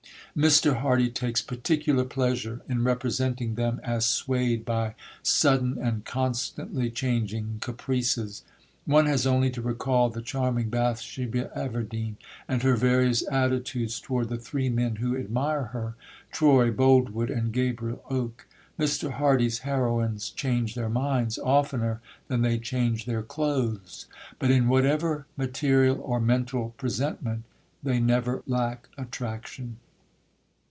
Mr. Hardy takes particular pleasure in representing them as swayed by sudden and constantly changing caprices; one has only to recall the charming Bathsheba Everdene, and her various attitudes toward the three men who admire her Troy, Boldwood, and Gabriel Oak. Mr. Hardy's heroines change their minds oftener than they change their clothes; but in whatever material or mental presentment, they never lack attraction.